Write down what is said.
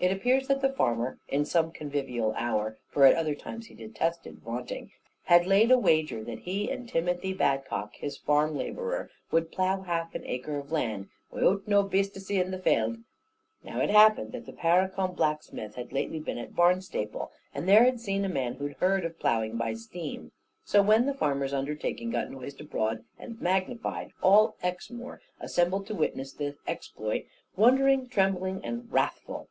It appears that the farmer, in some convivial hour (for at other times he detested vaunting), had laid a wager that he and Timothy Badcock, his farm labourer, would plough half an acre of land, "wiout no beastessy in the falde." Now, it happened that the Parracombe blacksmith had lately been at Barnstaple, and there had seen a man who had heard of ploughing by steam. So when the farmer's undertaking got noised abroad and magnified, all Exmoor assembled to witness the exploit, wondering, trembling, and wrathful.